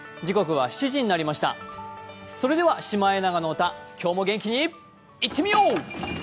それでは「シマエナガの歌」今日も元気にいってみよう！！